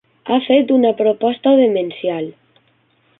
Ha fet una proposta demencial.